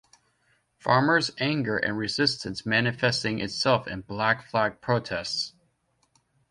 Farmers' anger and resistance manifesting itself in black flag protests.